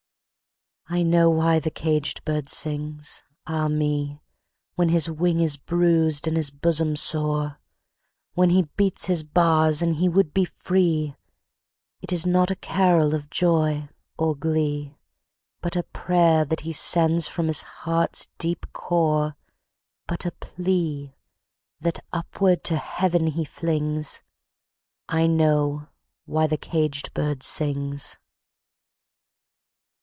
I know why the caged bird sings, ah me, When his wing is bruised and his bosom sore, When he beats his bars and he would be free; It is not a carol of joy or glee, But a prayer that he sends from his heart's deep core, But a plea, that upward to Heaven he flings I know why the caged bird sings!